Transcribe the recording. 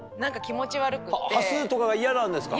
端数とかが嫌なんですか？